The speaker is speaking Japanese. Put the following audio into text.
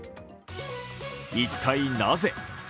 一体なぜ？